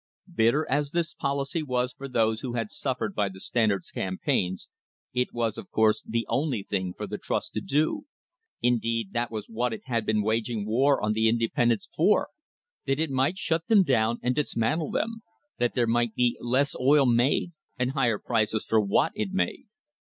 Bitter as this policy was for those who had suffered by the Standard's campaigns, it was, of course, the only thing for the trust to do indeed, that was what it had been waging war on the independents for: that it might shut them down and dis mantle them, that there might be less oil made and higher prices for what it made.